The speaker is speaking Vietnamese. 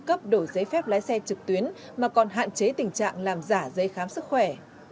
cấp đổi giấy phép lái xe trực tuyến mà còn hạn chế tình trạng làm giả giấy khám sức khỏe